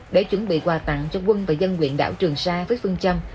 để chuẩn bị quà tặng cho quân và dân nguyện đảo trường sa với phương châm